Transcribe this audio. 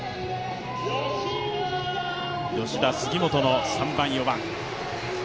吉田、杉本の３番、４番。